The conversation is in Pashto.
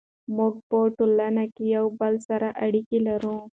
موږ په ټولنه کې یو بل سره اړیکې لرو.